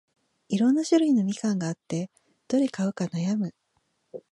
いろんな種類のみかんがあって、どれ買うか悩む